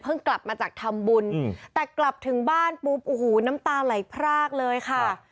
กลับมาจากทำบุญแต่กลับถึงบ้านปุ๊บโอ้โหน้ำตาไหลพรากเลยค่ะ